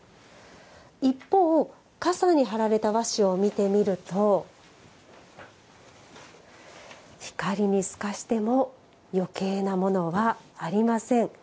一方、傘に張られた和紙を見てみると光に透かしてもよけいなものはありません。